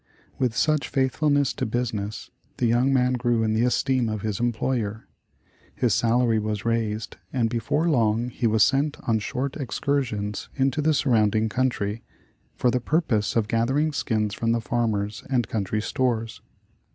With such faithfulness to business, the young man grew in the esteem of his employer. His salary was raised, and before long he was sent on short excursions into the surrounding country, for the purpose of gath ering skins from the farmers and country stores.